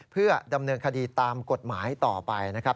เพื่อดำเนินคดีตามกฎหมายต่อไปนะครับ